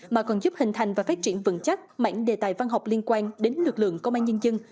mà còn giúp hình thành và phát triển vận chất mảnh đề tài văn học liên quan đến lực lượng công an nhân dân